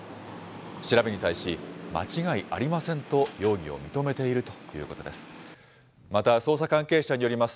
調べに対し、間違いありませんと容疑を認めているということです。